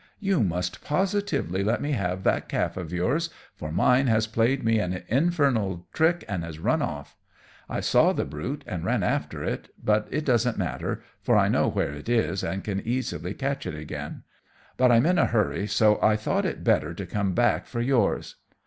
you must positively let me have that calf of yours, for mine has played me an infernal trick, and has run off! I saw the brute, and ran after it. But it doesn't matter, for I know where it is, and can easily catch it again. But I'm in a hurry, so I thought it better to come back for yours."